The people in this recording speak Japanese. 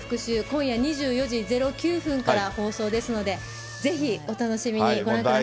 今夜２４時０９分から放送ですので、ぜひお楽しみにご覧ください。